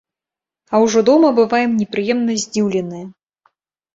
А ўжо дома бываем непрыемна здзіўленыя.